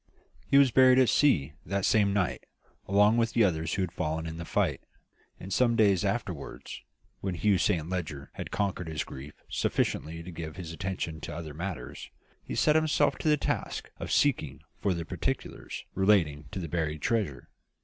"He was buried at sea, that same night, along with the others who had fallen in the fight; and some days afterwards, when Hugh Saint Leger had conquered his grief sufficiently to give his attention to other matters, he set himself to the task of seeking for the particulars relating to the buried treasure.